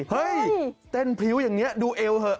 เฮ้ยเต้นพริ้วอย่างนี้ดูเอวเถอะ